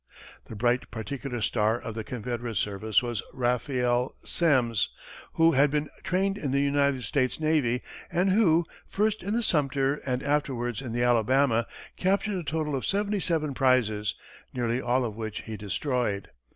The bright particular star of the Confederate service was Raphael Semmes, who had been trained in the United States navy, and who, first in the Sumter and afterwards in the Alabama, captured a total of seventy seven prizes, nearly all of which he destroyed.